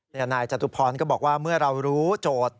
นายจตุพรก็บอกว่าเมื่อเรารู้โจทย์